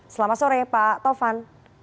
selamat sore pak taufan